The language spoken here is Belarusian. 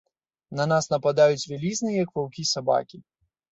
На нас нападаюць вялізныя, як ваўкі, сабакі.